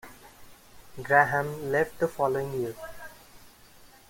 Graham left the following year.